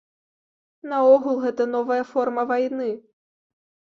Наогул, гэта новая форма вайны.